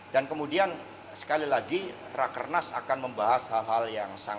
dan kemudian sekali lagi rakernas akan membahas hal hal yang sangat strategis